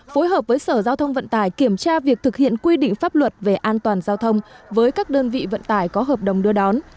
phối hợp với sở giao thông vận tải kiểm tra việc thực hiện quy định pháp luật về an toàn giao thông với các đơn vị vận tải có hợp đồng đưa đón